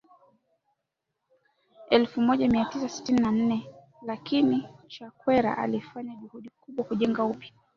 elfu moja mia tisa tisini na nne lakini Chakwera alifanya juhudi kubwa kukijenga upya